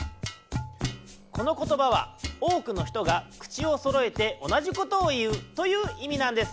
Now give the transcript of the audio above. このことばはおおくのひとが口をそろえて同じことをいうといういみなんです。